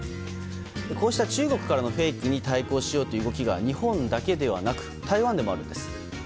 こうした中国からのフェイクに対抗しようという動きが日本だけではなく台湾でもあるんです。